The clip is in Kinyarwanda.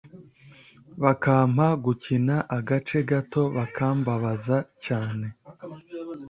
bakampa gukina agace gato bikambabaza cyane.